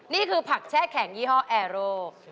นี่คือผักแช่แข็งยี่ห้อแอร์โร